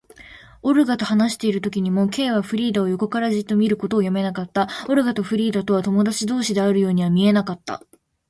オルガと話しているときにも、Ｋ はフリーダを横からじっと見ることをやめなかった。オルガとフリーダとは友だち同士であるようには見えなかった。